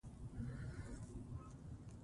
بې سواده کس ړوند شمېرل کېږي